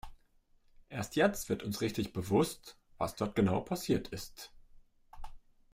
Erst jetzt wird uns richtig bewusst, was dort genau passiert ist.